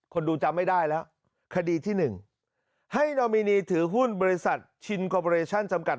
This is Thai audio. คนดูจำไม่ได้แล้วคดีที่หนึ่งให้ถือหุ้นบริษัทจำกัด